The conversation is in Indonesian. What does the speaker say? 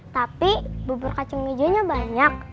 tapi bubur kacung ijo nya banyak